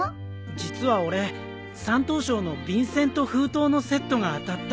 実は俺３等賞の便箋と封筒のセットが当たったんだ。